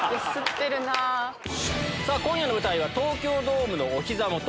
今夜の舞台は東京ドームのお膝元。